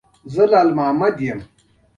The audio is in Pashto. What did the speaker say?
_زه يم، لال مامد.